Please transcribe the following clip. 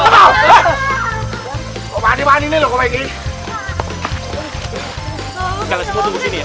kalian semua tunggu sini